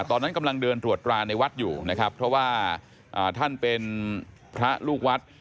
ตอนนั้นกำลังเดินตรวจตราในวัดอยู่นะครับเพราะว่าท่านเป็นพระลูกวัด